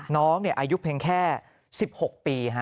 น้องอายุเพียงแค่๑๖ปี